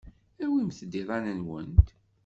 Awimt-d iḍan-nwent.